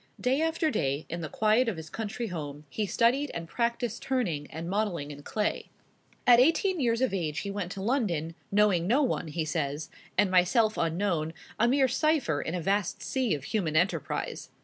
Day after day, in the quiet of his country home, he studied and practised turning, and modelling in clay. [Illustration: SIR HENRY BESSEMER.] At eighteen years of age he went to London, "knowing no one," he says, "and myself unknown, a mere cipher in a vast sea of human enterprise."